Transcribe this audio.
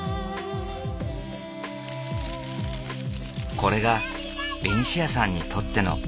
これがベニシアさんにとってのピース。